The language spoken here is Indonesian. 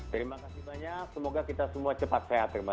terima kasih banyak semoga kita semua cepat sehat